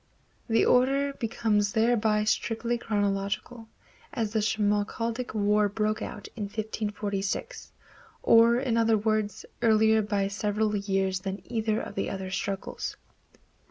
The order becomes thereby strictly chronological, as the Schmalkaldic War broke out in 1546; or, in other words, earlier by several years than either of the other struggles.